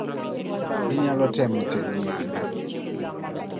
Inyalo temo tedo manda?